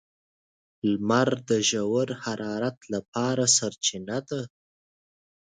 • لمر د ژور حرارت لپاره سرچینه ده.